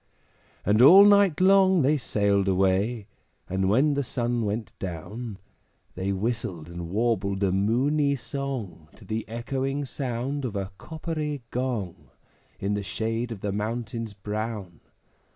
And all night long they sailed away; And when the sun went down, They whistled and warbled a moony song To the echoing sound of a coppery gong, In the shade of the mountains brown.